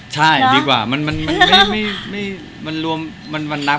ใช่ดีกว่ามันรวมมันนับ